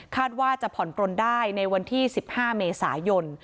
ว่าจะผ่อนปลนได้ในวันที่๑๕เมษายน